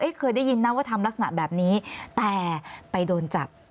เคยได้ยินนะว่าทำลักษณะแบบนี้แต่ไปโดนจับ